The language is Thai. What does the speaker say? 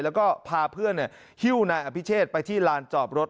แล้วก็พาเพื่อนฮิ้วนายอภิเชษไปที่ลานจอบรถ